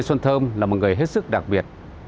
xuân thơm là một người hết sức đặc biệt